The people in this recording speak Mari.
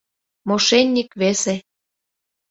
— Мошенник весе.